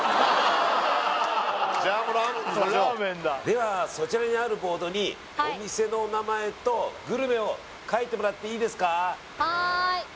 ではそちらにあるボードにお店のお名前とグルメを書いてもらっていいですか？